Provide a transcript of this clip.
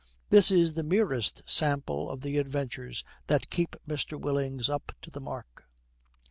This is the merest sample of the adventures that keep Mr. Willings up to the mark.